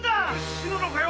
⁉死ぬのかよ